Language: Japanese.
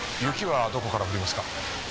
雪はどこから降りますか？